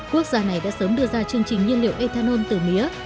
quốc gia này đã sớm đưa ra chương trình nhiên liệu ethanol từ mía